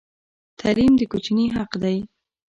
تعلیم د کوچني حق دی.